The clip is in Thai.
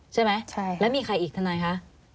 ใช่ไหมแล้วมีใครอีกทนายคะ